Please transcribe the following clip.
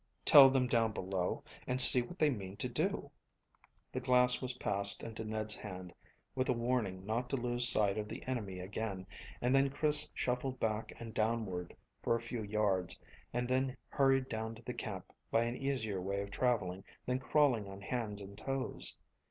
"Tell them down below, and see what they mean to do." The glass was passed into Ned's hand with a warning not to lose sight of the enemy again, and then Chris shuffled back and downward for a few yards, and then hurried down to the camp by an easier way of travelling than crawling on hands and toes.